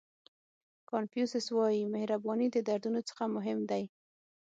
کانفیوسیس وایي مهرباني د دردونو څخه مهم دی.